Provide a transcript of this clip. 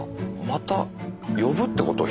また呼ぶってこと？